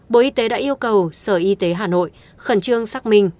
bộ y tế đã yêu cầu sở y tế hà nội khẩn trương xác minh